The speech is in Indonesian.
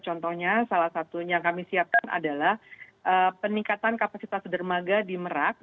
contohnya salah satu yang kami siapkan adalah peningkatan kapasitas dermaga di merak